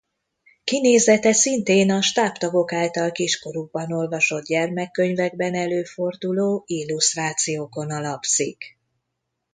Kinézete szintén a stábtagok által kiskorukban olvasott gyermekkönyvekben előforduló illusztrációkon alapszik.